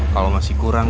kalau masih kurang